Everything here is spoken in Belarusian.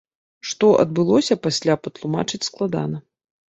Што адбылося пасля, патлумачыць складана.